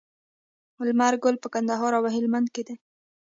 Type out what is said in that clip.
لمر ګل په کندهار او هلمند کې دی.